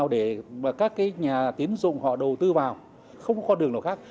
để các nhà tiến dụng họ đầu tư vào không có con đường nào khác